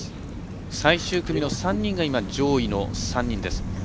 最終組の３人が上位の３人です。